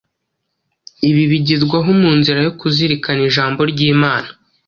Ibi bigerwaho mu nzira yo kuzirikana Ijambo ry’Imana.